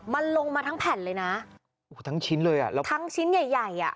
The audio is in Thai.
มันลงมาทั้งแผ่นเลยนะโอ้โหทั้งชิ้นเลยอ่ะแล้วทั้งชิ้นใหญ่ใหญ่อ่ะ